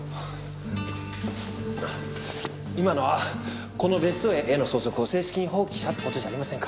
今のはこの別荘や絵の相続を正式に放棄したって事じゃありませんから。